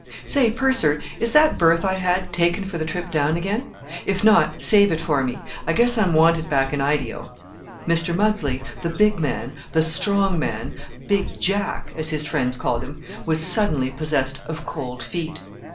"Say, purser, is that berth I had taken for the trip down again? If not, save it for me. I guess I'm wanted back in I dee ho." Mr. Muggsley, the big man, the strong man, "Big Jack," as his friends called him, was suddenly possessed of "cold feet."